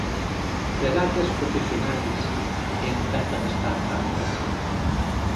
¿Será que as profesionais empezan a estar fartas?